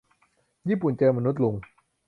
ญี่ปุ่นเจอมนุษย์ลุง